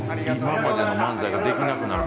今までの漫才ができなくなる。